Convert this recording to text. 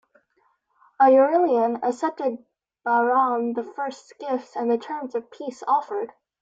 Aurelian accepted Bahram the First's gifts and the terms of peace offered.